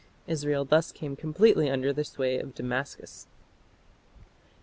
" Israel thus came completely under the sway of Damascus.